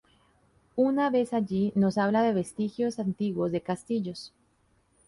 Una vez allí nos habla de vestigios antiguos de castillos.